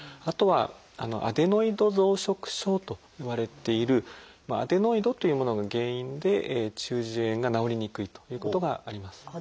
あとは「アデノイド増殖症」といわれている「アデノイド」というものが原因で中耳炎が治りにくいということがあります。